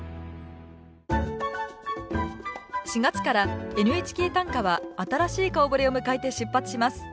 ４月から「ＮＨＫ短歌」は新しい顔ぶれを迎えて出発します。